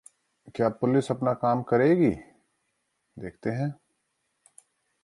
जेडे की हत्या के मामले को प्राथमिकता देगी मुंबई पुलिस